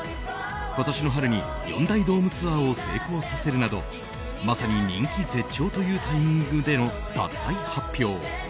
今年の春に４大ドームツアーを成功させるなどまさに人気絶頂というタイミングでの脱退発表。